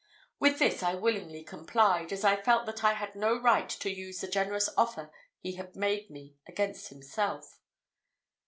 With this I willingly complied, as I felt that I had no right to use the generous offer he had made me against himself.